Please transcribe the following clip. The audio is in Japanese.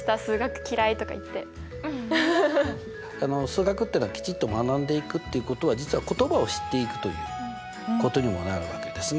数学っていうのはきちっと学んでいくっていうことは実は言葉を知っていくということにもなるわけですね。